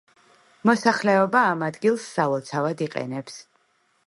მოსახლეობა ამ ადგილს სალოცავად იყენებს.